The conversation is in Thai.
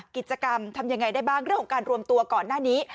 กิจกรรมทำยังไงได้บ้างเรื่องของการรวมตัวก่อนหน้านี้